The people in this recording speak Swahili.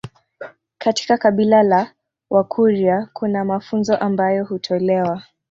Katika kabila la wakurya kuna mafunzo ambayo hutolewa